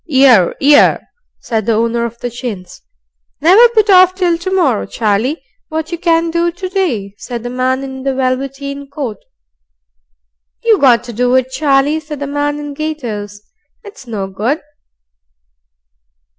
"'Ear, 'ear," said the owner of the chins. "Never put off till to morrow, Charlie, what you can do to day," said the man in the velveteen coat. "You got to do it, Charlie," said the man in gaiters. "It's no good."